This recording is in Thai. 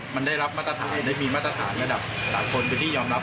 มันได้รับมาตรฐานได้มีมาตรฐานระดับ๓คนเป็นที่ยอมรับกันนะครับ